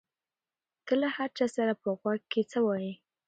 ته له هر چا سره په غوږ کې څه وایې؟